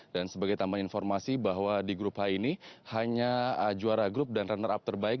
dan sebagai tambahan informasi bahwa di grup h ini hanya juara grup dan runner up terbaik